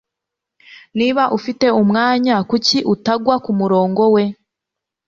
Niba ufite umwanya kuki utagwa kumurongo we